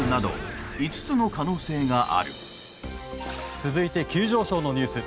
続いて急上昇のニュース。